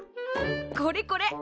これこれ！